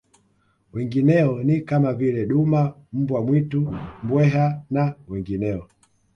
Wengineo ni kama vile duma mbwa mwitu mbweha na wengineo